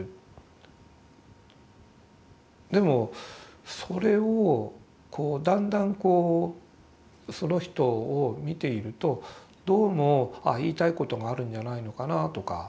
でもそれをこうだんだんこうその人を見ているとどうも言いたいことがあるんじゃないのかなとか。